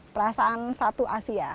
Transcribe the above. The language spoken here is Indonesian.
perasaan satu asia